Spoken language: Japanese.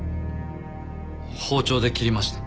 包丁で切りました。